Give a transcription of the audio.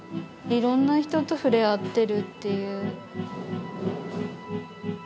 いろんな人と触れ合ってるっていう。